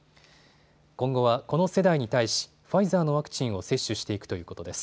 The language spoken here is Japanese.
今後はこの世代に対しファイザーのワクチンを接種していくということです。